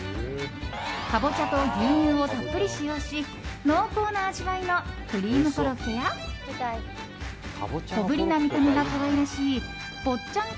カボチャと牛乳をたっぷり使用し濃厚な味わいのクリームコロッケや小ぶりな見た目が可愛らしい坊ちゃん